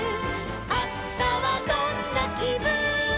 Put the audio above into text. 「あしたはどんなきぶんかな」